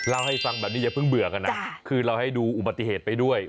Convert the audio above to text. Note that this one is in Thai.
เล่าให้ฟังแบบนี้อย่าเพิ่งเบื่อกันนะคือเราให้ดูอุบัติเหตุไปด้วย